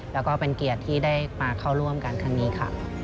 แล้วก็เป็นเกียรติที่ได้มาเข้าร่วมกันครั้งนี้ค่ะ